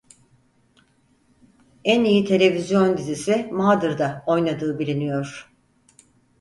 En iyi televizyon dizisi "Mother'da" oynadığı biliniyor.